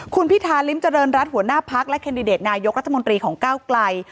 คุณพิธาริมเจริญรัฐหัวหน้าพักและแคนดิเดตนายกรัฐมนตรีของก้าวไกล